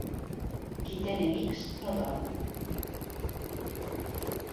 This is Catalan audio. Qui té enemics, no dorm.